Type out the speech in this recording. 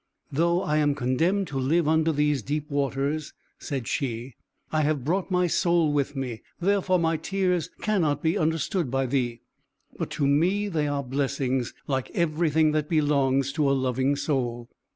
"Though I am condemned to live under these deep waters," said she, "I have brought my soul with me; therefore my tears cannot be understood by thee. But to me they are blessings, like everything that belongs to a loving soul."